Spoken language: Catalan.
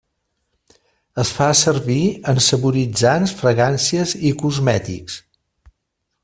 Es fa servir en saboritzants, fragàncies i cosmètics.